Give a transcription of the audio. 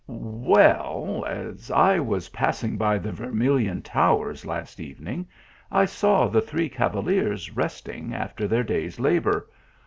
"Well as I was passing by the Vermilion tow ers, last evening, I saw the three cavaliers resting after their day s labour.